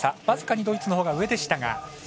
僅かにドイツのほうが上でしたが。